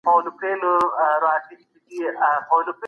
که تعلیم ارزښت وروزي، چلند خراب نه کېږي.